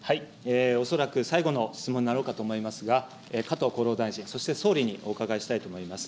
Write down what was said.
恐らく最後の質問になろうかと思いますが、加藤厚労大臣、そして総理にお伺いしたいと思います。